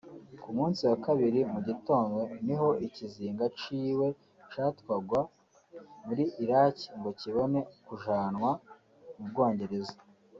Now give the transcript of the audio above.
Ku munsi wa kabiri mu gitondo niho ikiziga ciwe catwagwa muri Iraki ngo kibone kujanwa mu Bwongereza